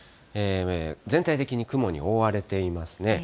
全体的に雲に覆われていますね。